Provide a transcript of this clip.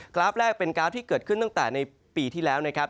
กราฟแรกเป็นกราฟที่เกิดขึ้นตั้งแต่ในปีที่แล้วนะครับ